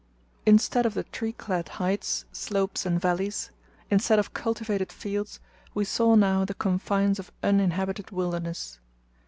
Instead of the tree clad heights, slopes and valleys, instead of cultivated fields, we saw now the confines of uninhabited wilderness.